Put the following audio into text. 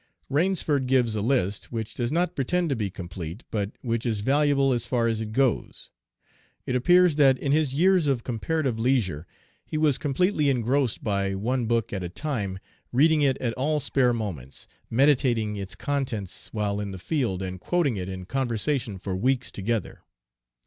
Rainsford gives a list, which does not pretend to be complete, but which is valuable as far as it goes. It appears that in his years of comparative leisure he was completely engrossed by one book at a time, reading it at all spare moments, meditating its contents while in the field, and quoting it in conversation for weeks together.